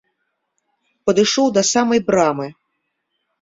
Падышоў да самай брамы.